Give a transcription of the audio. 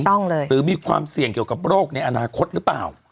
ต้องเลยหรือมีความเสี่ยงเกี่ยวกับโรคในอนาคตหรือเปล่า